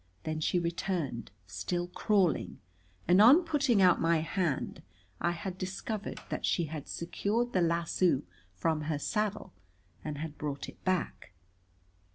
Then she returned, still crawling, and on putting out my hand I discovered that she had secured the lasso from her saddle and had brought it back.